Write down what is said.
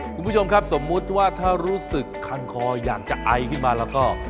คุณผู้ชมครับสมมุติว่าถ้ารู้สึกคันคออยากจะไอขึ้นมาแล้วก็